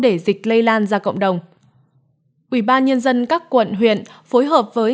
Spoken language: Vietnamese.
để dịch lây lan ra cộng đồng ubnd các quận huyện phối hợp với